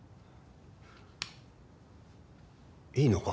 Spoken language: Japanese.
いいのか？